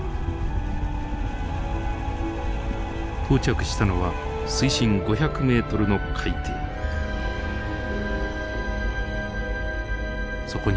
到着したのは水深５００ｍの海底。